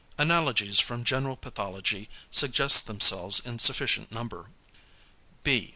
Analogies from general pathology suggest themselves in sufficient number. B.